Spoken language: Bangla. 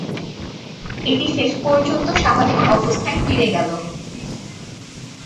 এটি শেষ পর্যন্ত স্বাভাবিক অবস্থায় ফিরে গেল।